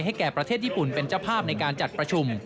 แก่ประเทศญี่ปุ่นเป็นเจ้าภาพในการจัดประชุม